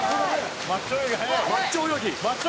「マッチョ泳ぎ速い！」